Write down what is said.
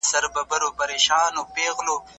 د هغه کتاب العبر یوه ډېره مهمه مقدمه لري.